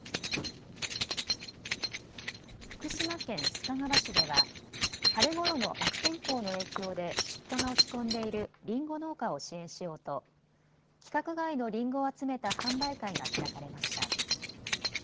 福島県須賀川市では春ごろの悪天候の影響で出荷が落ち込んでいるりんご農家を支援しようと規格外のりんごを集めた販売会が開かれました。